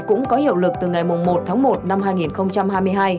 cũng có hiệu lực từ ngày một tháng một năm hai nghìn hai mươi hai